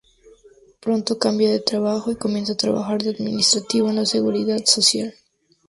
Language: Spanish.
Pronto cambia de trabajo y comienza a trabajar de administrativo en la Seguridad Social.